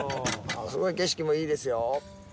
すごい景色もいいですよ。